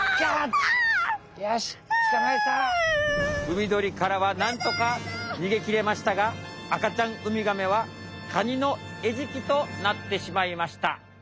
「ウミドリからはなんとか逃げきれましたが赤ちゃんウミガメはカニのえじきとなってしまいました。